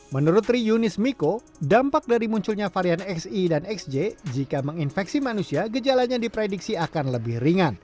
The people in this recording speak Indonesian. menurut tri yunis miko dampak dari munculnya varian xe dan xj jika menginfeksi manusia gejalanya diprediksi akan lebih ringan